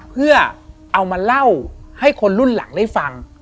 เพื่อเอามาเล่าให้คนรุ่นหลังได้ฟัง